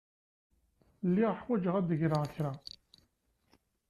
Lliɣ ḥwajeɣ ad geɣ kra.